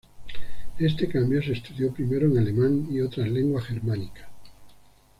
Este cambio se estudió primero en alemán y otras lenguas germánicas.